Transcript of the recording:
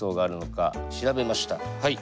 はい。